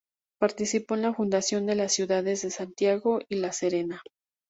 Participó en la fundación de las ciudades de Santiago y La Serena.